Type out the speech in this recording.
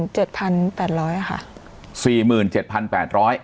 ใช่ค่ะ